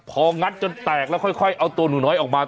พองัดจนแตกแล้วค่อยเอาตัวหนูน้อยออกมา